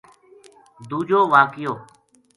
دُوجو واقعو